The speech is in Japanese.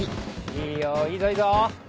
いいよいいぞいいぞ。